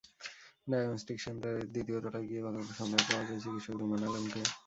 Diagnostic সেন্টারের দ্বিতীয় তলায় গিয়ে গতকাল সন্ধ্যায় পাওয়া যায় চিকিৎসক রুমানা আলমকে।